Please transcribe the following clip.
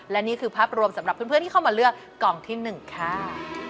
และนี่คือภาพรวมสำหรับเพื่อนที่เข้ามาเลือกกล่องที่๑ค่ะ